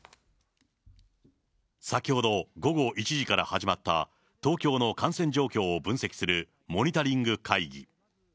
先ほど午後１時から始まった東京の感染状況を分析するモニタリング会議。